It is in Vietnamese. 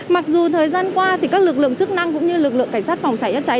mặc dù thời gian qua thì các lực lượng chức năng cũng như lực lượng cảnh sát phòng trái nhất trái